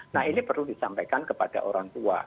nah ini perlu disampaikan kepada orang tua